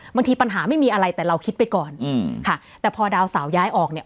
บางทีปัญหาไม่มีอะไรแต่เราคิดไปก่อนอืมค่ะแต่พอดาวเสาย้ายออกเนี่ย